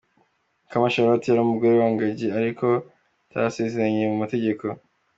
Mukamana Charlotte yari umugore wa Gangi ariko batarasezeranye mu mategeko.